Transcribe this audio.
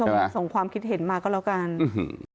ให้คุณผู้ชมส่งความคิดเห็นมาก็แล้วกัน